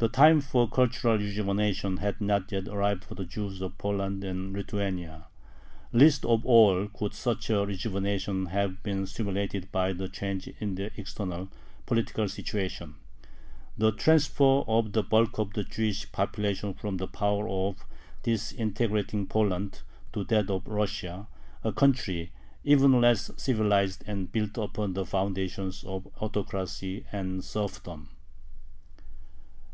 The time for cultural rejuvenation had not yet arrived for the Jews of Poland and Lithuania. Least of all could such a rejuvenation have been stimulated by the change in their external, political situation: the transfer of the bulk of the Jewish population from the power of disintegrating Poland to that of Russia, a country even less civilized and built upon the foundations of autocracy and serfdom.